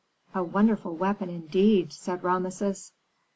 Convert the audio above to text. "A wonderful weapon, indeed," said Rameses.